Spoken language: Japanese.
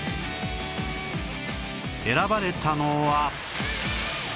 選ばれたのは